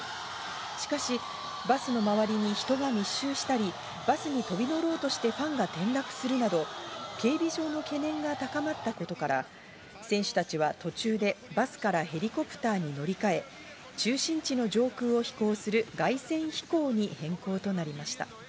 しかしバスの周りに人が密集したり、バスに飛び乗ろうとしてファンが転落するなど、警備上の懸念が高まったことから、選手たちは途中でバスからヘリコプターに乗り換え、中心地の上空を飛行する凱旋飛行に変更となりました。